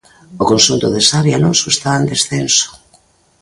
O conxunto de Xavi Alonso está en descenso.